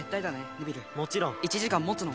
ネビルもちろん１時間もつの？